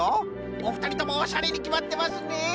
おふたりともおしゃれにきまってますね。